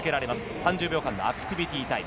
３０秒間のアクティビティタイム。